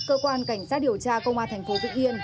cơ quan cảnh sát điều tra công an thành phố vĩnh yên